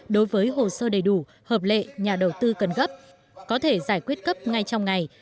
đối với hồ sơ đầy đủ hợp lệ nhà đầu tư cần gấp có thể giải quyết cấp ngay trong ngày